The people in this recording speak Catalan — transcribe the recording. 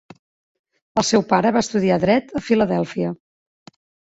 El seu pare va estudiar dret a Filadèlfia.